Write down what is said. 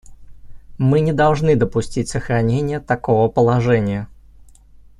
Мы не должны допустить сохранения такого положения.